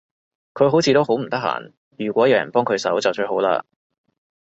佢好似都好唔得閒，如果有人幫佢手就最好嘞